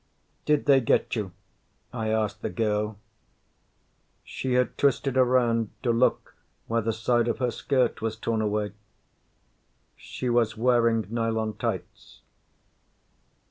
"Did they get you?" I asked the girl. She had twisted around to look where the side of her skirt was torn away. She was wearing nylon tights.